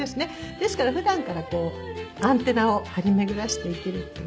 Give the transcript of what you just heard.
ですから普段からこうアンテナを張り巡らしていけるという事が。